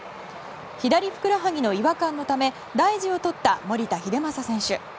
左ふくらはぎの違和感のため大事をとった守田英正選手。